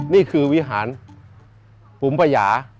นี่คือวิหารปุ๋มประหยา